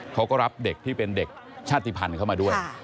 เขาก็รับเด็กที่เป็นเด็กชาติภัณฑ์เข้ามาด้วย